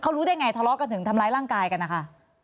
รู้ได้ไงทะเลาะกันถึงทำร้ายร่างกายกันนะคะ